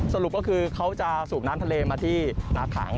สรุปก็คือเขาจะสูบน้ำทะเลมาที่นาขัง